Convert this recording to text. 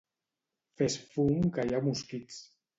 Fes fum que hi ha mosquits.